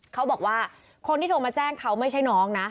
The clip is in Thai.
เขาบอกว่าคนที่โทรมาแจ้งเขาไม่ใช่น้องนะ